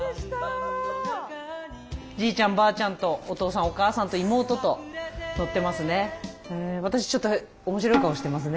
じいちゃんばあちゃんとお父さんお母さんと妹と撮ってますね。